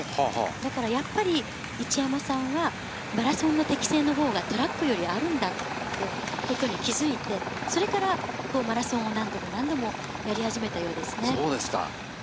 だからやっぱり一山さんはマラソンの適性のほうがトラックよりあるんだって気づいて、そこからマラソンを何度も何度もやり始めたようですね。